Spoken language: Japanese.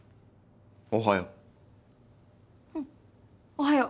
おはよう。